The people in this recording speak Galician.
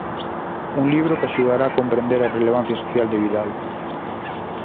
Un libro que axudará a comprender a relevancia social de Vidal.